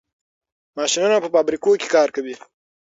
ماشینونه په فابریکو کې کار کوي.